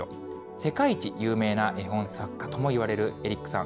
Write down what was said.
世界一有名な絵本作家ともいわれるエリックさん。